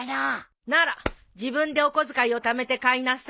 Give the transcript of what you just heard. なら自分でお小遣いをためて買いなさい。